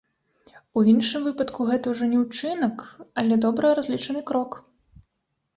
У іншым выпадку гэта ўжо не ўчынак, але добра разлічаны крок.